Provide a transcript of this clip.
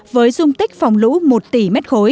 với dung tích phòng lũ một tỷ m ba